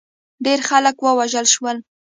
ډېر خلک ووژل شول.